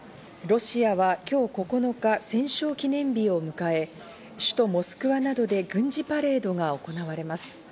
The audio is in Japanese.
ロシアは今日９日、戦勝記念日を迎え、首都モスクワなどで軍事パレードが行われます。